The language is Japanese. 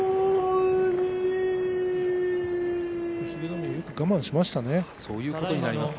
海はよく我慢しましたね。